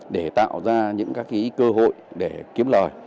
để tạo ra những cơ hội để kiếm lời